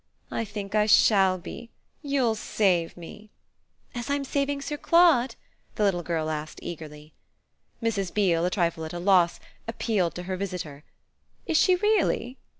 "I think I shall be. You'll save me." "As I'm saving Sir Claude?" the little girl asked eagerly. Mrs. Beale, a trifle at a loss, appealed to her visitor, "Is she really?"